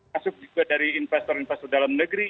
masuk juga dari investor investor dalam negeri